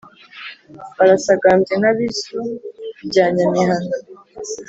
Barasagambye nka Bisu bya Nyamihana